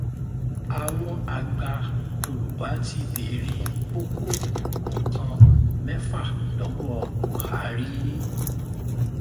Àwọn àgbà Yorùbá ti bèèrè kókó nǹkan mẹ́fà lọ́wọ́ Bùhárí